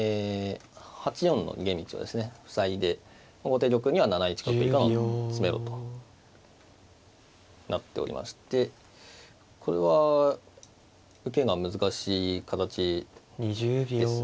塞いで後手玉には７一角以下の詰めろとなっておりましてこれは受けが難しい形ですね。